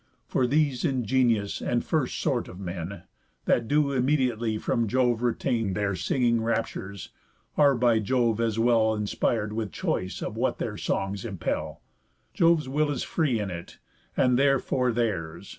For these ingenious and first sort of men, That do immediately from Jove retain Their singing raptures, are by Jove as well Inspir'd with choice of what their songs impell, Jove's will is free in it, and therefore theirs.